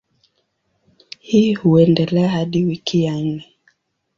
Hii huendelea hadi wiki ya nne.